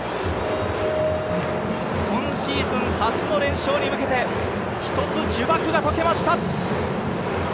今シーズン初の連勝に向けて、一つ呪縛が解けました。